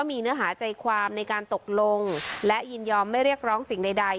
ไม่เรียกร้องไม่เรียกร้องสิ่งใด